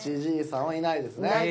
ＨＧさんはいないですね。